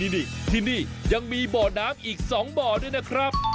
นี่ที่นี่ยังมีบ่อน้ำอีก๒บ่อด้วยนะครับ